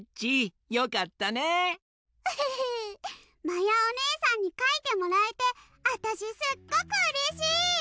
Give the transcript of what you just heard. まやおねえさんにかいてもらえてあたしすっごくうれしい！